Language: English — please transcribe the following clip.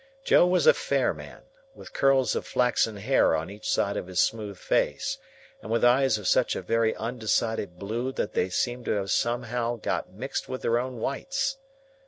Joe was a fair man, with curls of flaxen hair on each side of his smooth face, and with eyes of such a very undecided blue that they seemed to have somehow got mixed with their own whites.